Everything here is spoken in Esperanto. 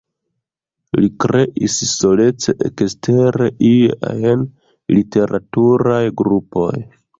Li kreis solece ekster iuj ajn literaturaj grupoj.